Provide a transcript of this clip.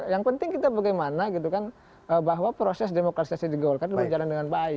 yang penting kita bagaimana gitu kan bahwa proses demokratisasi di golkar itu berjalan dengan baik